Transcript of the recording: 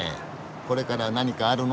これから何かあるの？